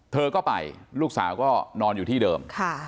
เธอก็ไปลูกสาวก็นอนอยู่ที่เดิม